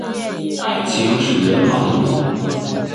爱情使人盲目。